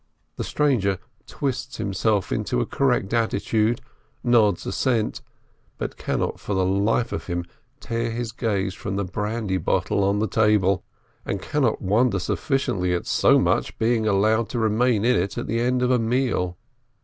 The stranger twists himself into a correct attitude, nods assent, but cannot for the life of him tear his gaze from the brandy bottle on the table, and cannot wonder sufficiently at so much being allowed to remain in it at the end of a meal.